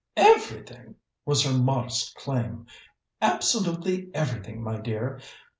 "Everything," was her modest claim. "Absolutely everything, my dear.